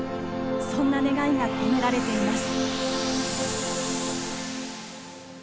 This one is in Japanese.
そんな願いが込められています。